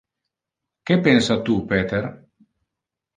Que pensa tu, Peter?